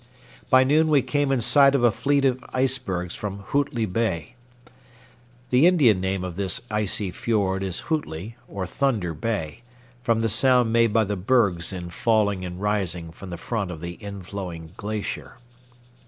By noon we came in sight of a fleet of icebergs from Hutli Bay. The Indian name of this icy fiord is Hutli, or Thunder Bay, from the sound made by the bergs in falling and rising from the front of the inflowing glacier.